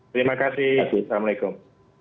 terima kasih assalamu'alaikum